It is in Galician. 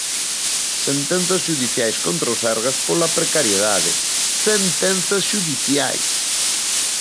Sentenzas xudiciais contra o Sergas pola precariedade, ¡sentenzas xudiciais!